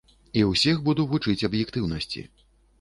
І усіх буду вучыць аб'ектыўнасці.